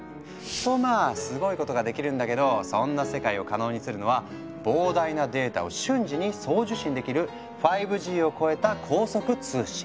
とまあすごいことができるんだけどそんな世界を可能にするのは膨大なデータを瞬時に送受信できる５Ｇを超えた高速通信。